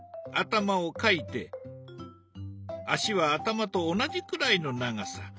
頭を描いて足は頭と同じくらいの長さ。